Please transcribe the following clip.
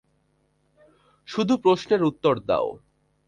শুধু প্রশ্নের উত্তর দাও।